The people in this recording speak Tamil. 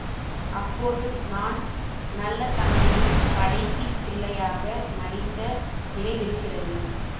அப்போது நான் நல்லதங்கையின் கடைசிப் பிள்ளையாக நடித்த நினைவிருக்கிறது.